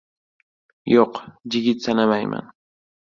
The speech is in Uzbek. Yo‘q, jigit sanamayman.